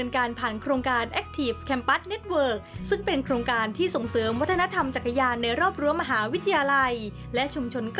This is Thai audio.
การส่งเสริมการสร้างสังคมจักรยานอย่างยั่งยืน